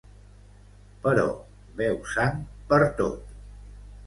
Però veu sang pertot.